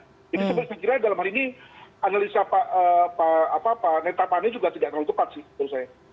jadi sebetulnya dalam hari ini analisa pak netapane juga tidak terlalu tepat sih menurut saya